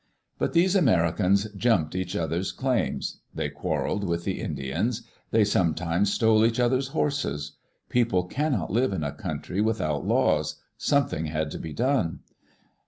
But these Americans "jumped" each other's claims. They quarreled with the Indians. They sometimes stole each other's horses. People cannot live in a country with out laws: something had to be done.